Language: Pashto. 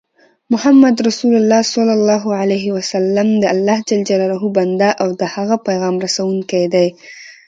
محمد رسول الله دالله ج بنده او د د هغه پیغام رسوونکی دی